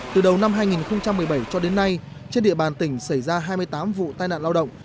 từ đầu năm hai nghìn một mươi bảy cho đến nay trên địa bàn tỉnh xảy ra hai mươi tám vụ tai nạn lao động